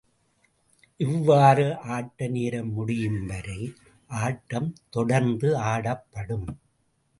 இவ்வாறு ஆட்ட நேரம் முடியும் வரை, ஆட்டம் தொடர்ந்து ஆடப்படும்.